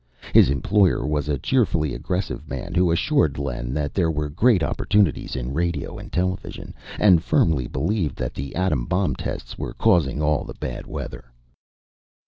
His employer was a cheerfully aggressive man who assured Len that there were great opportunities in radio and television, and firmly believed that atom bomb tests were causing all the bad weather.